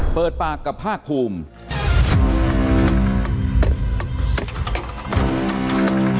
เปิดปากกับภาคภูมิ